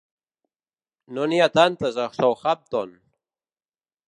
No n'hi ha tantes a Southampton!